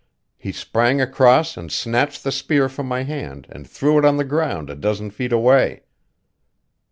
He sprang across and snatched the spear from my hand and threw it on the ground a dozen feet away.